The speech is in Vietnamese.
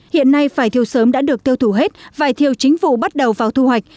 hiện nay vải thiêu sớm đã được tiêu thụ hết vải thiêu chính vụ bắt đầu vào thu hoạch